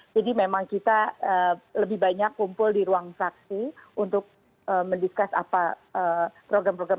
jadi memang kita lebih banyak kumpul di ruang fraksi untuk mendiskus apa program program